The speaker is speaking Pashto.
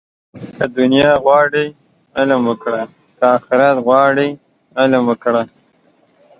که دنیا غواړې، علم وکړه. که آخرت غواړې علم وکړه